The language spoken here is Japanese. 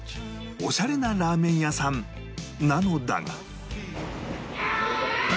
オシャレなラーメン屋さんなのだが